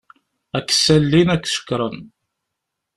Ad k-sallin ad k-cekṛen.